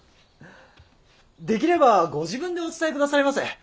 できればご自分でお伝えくださいませ。